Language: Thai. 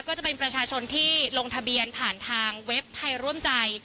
ก็จะเป็นประชาชนที่ลงทะเบียนผ่านทางเว็บไทยร่วมใจ